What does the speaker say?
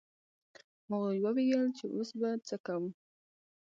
هغوی وویل چې اوس به څه کوو.